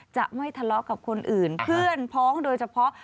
จะไม่ทะเลาะกับคนอื่นเพื่อนพ้องโดยเฉพาะ